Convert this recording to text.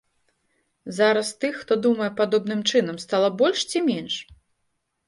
Зараз тых, хто думае падобным чынам, стала больш ці менш?